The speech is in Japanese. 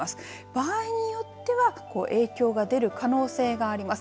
場合によっては影響が出る可能性があります。